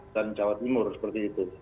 dan jawa timur seperti itu